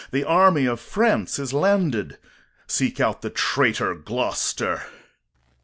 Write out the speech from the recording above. The army of France is landed. Seek out the traitor Gloucester.